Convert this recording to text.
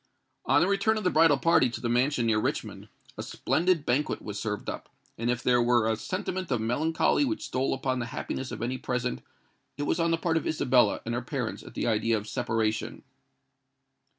On the return of the bridal party to the mansion near Richmond, a splendid banquet was served up; and if there were a sentiment of melancholy which stole upon the happiness of any present, it was on the part of Isabella and her parents at the idea of separation.